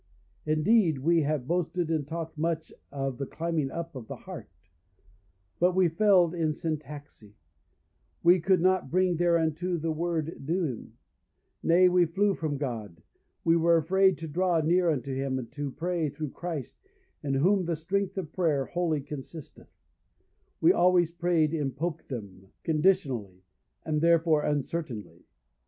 Indeed, we have boasted and talked much of the climbing up of the heart; but we failed in Syntaxi, we could not bring thereunto the word Deum; nay, we flew from God, we were afraid to draw near unto him, and to pray through Christ, in whom the strength of prayer wholly consisteth; we always prayed in Popedom conditionaliter, conditionally, and therefore uncertainly.